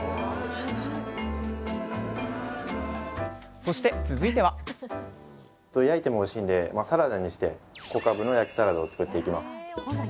そして続いてはこれ焼いてもおいしいんでサラダにしてこかぶの焼きサラダを作っていきます。